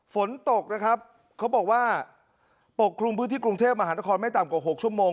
ฝนตกนะครับเขาบอกว่าปกคลุมพื้นที่กรุงเทพมหานครไม่ต่ำกว่า๖ชั่วโมง